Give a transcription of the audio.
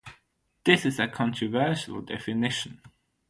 This is a controversial definition.